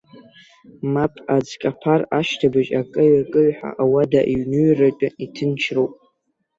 Мап, аӡ каԥар ашьҭыбжь акеҩ-акеҩ ҳәа ауада иҩнҩратәы иҭынчроуп.